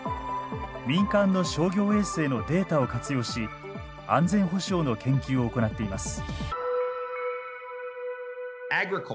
民間の商業衛星のデータを活用し安全保障の研究を行っています。